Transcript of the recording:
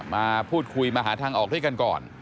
มาพูดคุยมาหาทางออกด้วยกันก่อน